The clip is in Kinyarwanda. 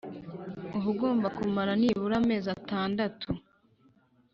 uba ugomba kumara nibura amezi atandatu